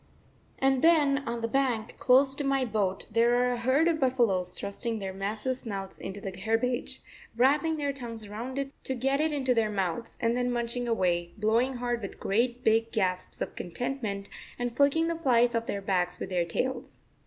And then on the bank, close to my boat, there are a herd of buffaloes thrusting their massive snouts into the herbage, wrapping their tongues round it to get it into their mouths, and then munching away, blowing hard with great big gasps of contentment, and flicking the flies off their backs with their tails.